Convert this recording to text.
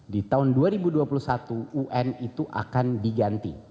di tahun dua ribu dua puluh satu un itu akan diganti